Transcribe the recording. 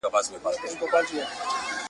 ټول سرونه به پراته وي پر څپړو !.